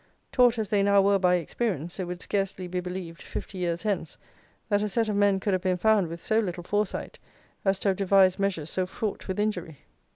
Taught, as they now were, by experience, it would scarcely be believed, fifty years hence, that a set of men could have been found with so little foresight as to have devised measures so fraught with injury.